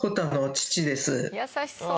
優しそうな。